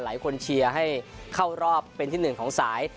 เชียร์ให้เข้ารอบเป็นที่หนึ่งของสาย